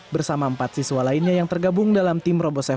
bersama empat siswa lainnya yang tergabung dalam tim robose